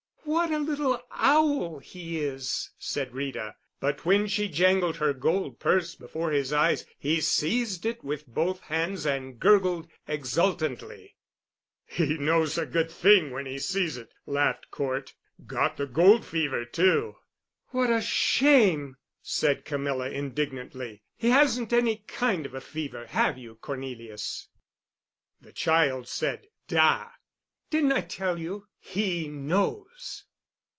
"What a little owl he is!" said Rita, but when she jangled her gold purse before his eyes he seized it with both hands and gurgled exultantly. "He knows a good thing when he sees it," laughed Cort. "Got the gold fever, too." "What a shame!" said Camilla indignantly. "He hasn't any kind of a fever, have you, Cornelius?" The child said, "Da!" "Didn't I tell you? He knows."